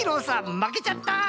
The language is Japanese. まけちゃった。